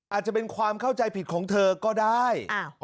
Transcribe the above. อาจจะเป็นความเข้าใจผิดของเธอก็ได้